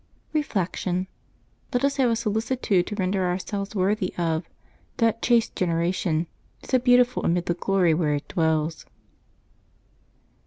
Reflection. — Let us have a solicitude to render ourselves worthy of ^^ that chaste generation, so beautiful amid the glory where it dwells.